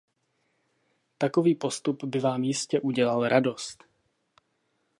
Takový postup by vám jistě udělal radost.